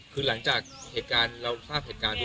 คือหลังจากเหตุการณ์เราทราบเหตุการณ์นี้